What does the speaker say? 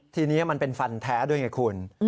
ทีนี้มันเป็นฟันแท้ด้วยไงคุณ